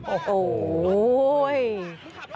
โอ้โห